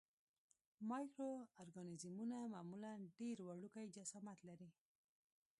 مایکرو ارګانیزمونه معمولاً ډېر وړوکی جسامت لري.